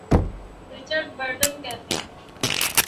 Richard Burton کہتے ہیں۔